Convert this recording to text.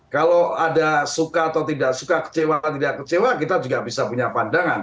kalau ada suka atau tidak suka kecewa atau tidak kecewa kita juga bisa punya pandangan